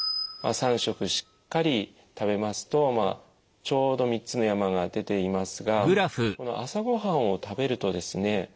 ３食しっかり食べますとちょうど３つの山が出ていますがこの朝ご飯を食べるとですね